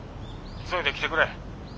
急いで来てくれ。